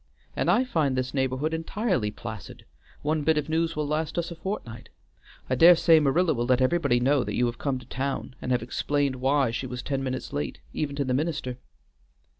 And I find this neighborhood entirely placid; one bit of news will last us a fortnight. I dare say Marilla will let everybody know that you have come to town, and have explained why she was ten minutes late, even to the minister."